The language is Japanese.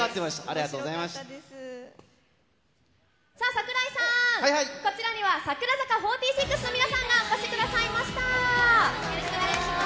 櫻井さん、こちらには、櫻坂４６の皆さんがお越しくださよろしくお願いします。